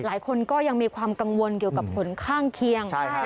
หลายคนก็ยังมีความกังวลเกี่ยวกับผลข้างเคียง